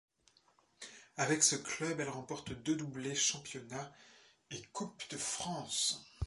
Avec ce club, elle remporte deux doublés championnat et Coupe de France.